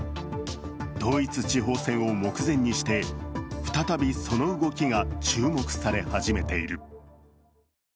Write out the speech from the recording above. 統一地方選を目前にして再びその動きが注目され始めている。